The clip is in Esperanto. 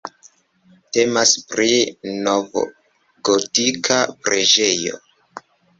Temas pri novgotika preĝejo.